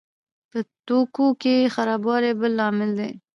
په توکو کې خرابوالی بل لامل دی.